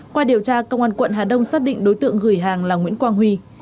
qua điều tra công an quận hà đông xác định đối tượng gửi hàng là nguyễn quang huy